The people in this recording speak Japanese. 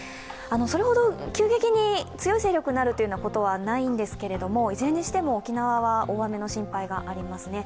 それほど急激に強い勢力になるということはないんですけれども、いずれにしても沖縄は大雨の心配がありますね。